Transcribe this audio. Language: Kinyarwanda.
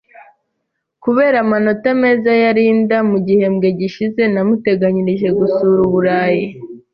Kubera amanota meza ya Linda mu gihembwe gishize, namuteganyirije gusura Uburayi.